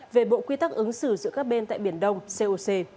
về bộ quy tắc ứng xử giữa các bên tại biển đông coc